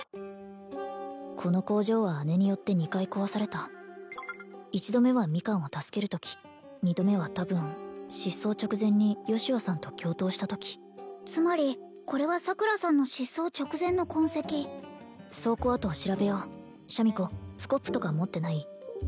この工場は姉によって２回壊された一度目はミカンを助けるとき二度目は多分失踪直前にヨシュアさんと共闘したときつまりこれは桜さんの失踪直前の痕跡倉庫跡を調べようシャミ子スコップとか持ってない？